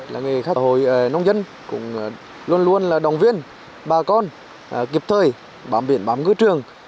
là nghề khách hội nông dân luôn luôn là đồng viên bà con kịp thời bám biển bám ngư trường